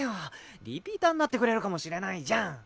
リピーターになってくれるかもしれないじゃん。